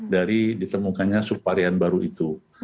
dari ditemukannya subvarian baru itu